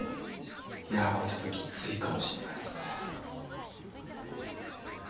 いやこれちょっときついかもしんないですね。